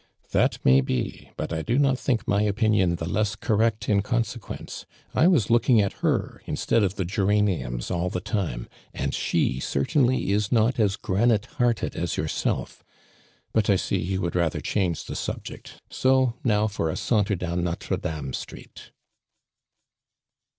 "That maybe, but I do not think my opinion the less coiroct in consequence. I W(i8 looking at her, instead of the gera niums, all the time, and she certainly U not as granite hearted as yourself. But 1 see you would rather change the subject^ so now for a saunter down Notre Dame street."